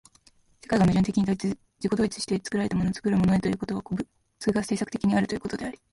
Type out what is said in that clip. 世界が矛盾的自己同一として作られたものから作るものへということは、個物が製作的であるということであり、